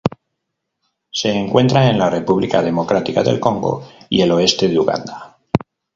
Se encuentra en la República Democrática del Congo y el oeste de Uganda.